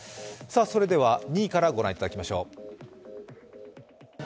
それでは２位からご覧いただきましょう。